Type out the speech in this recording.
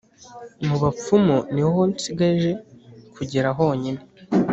Mubapfumu niho nsigaje kugera honyine